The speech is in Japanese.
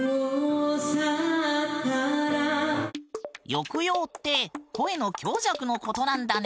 抑揚って声の強弱のことなんだね！